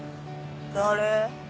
誰？